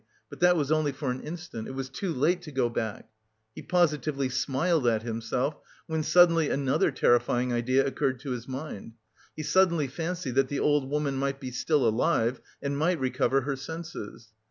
But that was only for an instant; it was too late to go back. He positively smiled at himself, when suddenly another terrifying idea occurred to his mind. He suddenly fancied that the old woman might be still alive and might recover her senses.